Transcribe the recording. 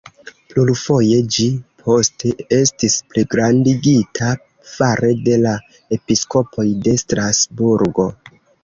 Plurfoje ĝi poste estis pligrandigita fare de la episkopoj de Strasburgo.